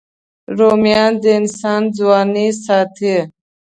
رومیان د انسان ځواني ساتي